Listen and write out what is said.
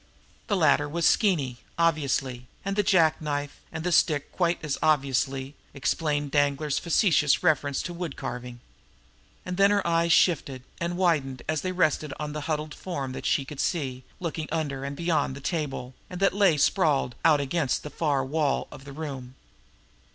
The latter was Skeeny, obviously; and the jack knife and the stick, quite as obviously, explained Danglar's facetious reference to wood carving. And then her eyes shifted, and widened as they rested on a huddled form that she could see by looking under and beyond the table, and that lay sprawled out against the far wall of the room.